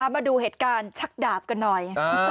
มาดูเหตุการณ์ชักดาบกันหน่อย